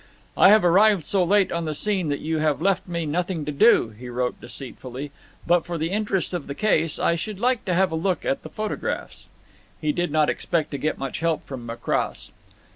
"I have arrived so late on the scene that you have left me nothing to do," he wrote deceitfully. "But for the interest of the case I should like to have a look at the photographs." He did not expect to get much help from Macross.